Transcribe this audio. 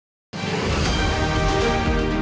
tuy nhiên các bệnh viện tuyến trung ương là ngọn